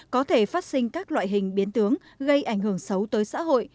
có thể phát sinh các loại hình biến tướng gây ảnh hưởng xấu tới xã hội